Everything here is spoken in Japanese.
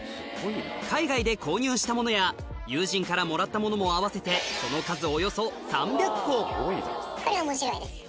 海外で購入したものや友人からもらったものも合わせてその数これ面白いです。